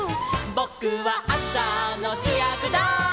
「ぼくはあさのしゅやくだい」